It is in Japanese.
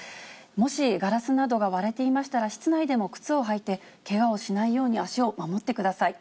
もし、ガラスなどが割れていましたら、室内でも靴を履いて、けがをしないように足を守ってください。